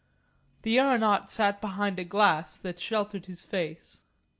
The aeronaut sat behind a glass that sheltered his face.